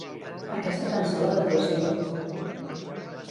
Aquesta cançó la detesto.